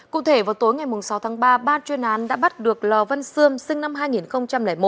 cụ thể vào tối ngày sáu tháng ba ban chuyên án đã bắt được lò văn sươm sinh năm hai nghìn một